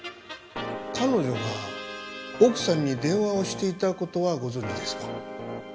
彼女が奥さんに電話をしていた事はご存じですか？